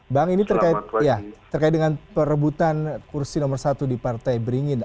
bang ini terkait dengan perebutan kursi nomor satu di partai beringin